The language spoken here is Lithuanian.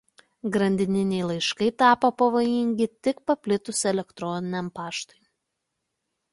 Grandininiai laiškai tapo pavojingi tik paplitus elektroniniam paštui.